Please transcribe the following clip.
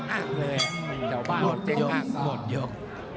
ระเบิดสวรรค์สวรรค์